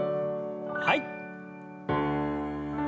はい。